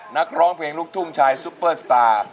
นักร้องเพลงลูกทุ่งชายซุปเปอร์สตาร์